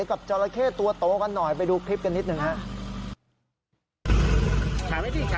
จราเข้ตัวโตกันหน่อยไปดูคลิปกันนิดหนึ่งครับ